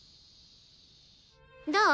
どう？